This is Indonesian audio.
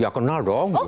ya kenal dong